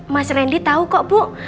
mas randy tahu kok bu